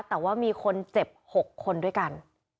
แต่ว่ามีคนเจ็บ๖คนด้วยกัน